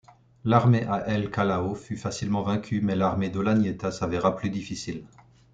L'armée à El Callao fut facilement vaincue mais l'armée d'Olañeta s'avéra plus difficile.